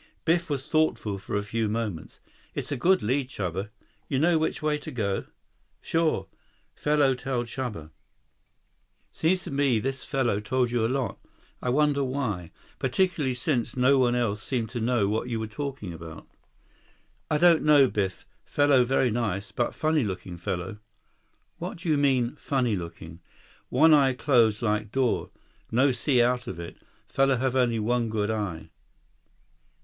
Biff was thoughtful for a few moments. "It's a good lead, Chuba. You know which way to go?" "Sure. Fellow tell Chuba." 111 "Seems to me this fellow told you a lot. I wonder why. Particularly since no one else seemed to know what you were talking about." "I don't know, Biff. Fellow very nice. But funny looking fellow." "What do you mean, funny looking?" "One eye closed like door. No see out of it. Fellow have only one good eye."